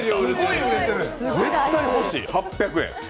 ８００円。